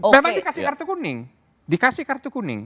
memang dikasih kartu kuning dikasih kartu kuning